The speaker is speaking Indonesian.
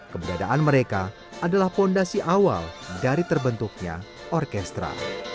keberadaan mereka adalah fondasi awal dari terbentuknya orkestra